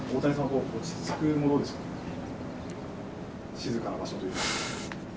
静かな場所というか。